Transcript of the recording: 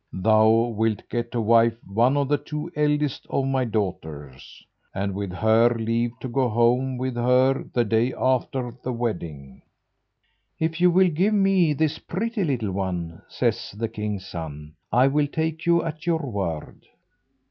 Thou wilt get to wife one of the two eldest of my daughters, and with her leave to go home with her the day after the wedding." "If you will give me this pretty little one," says the king's son, "I will take you at your word."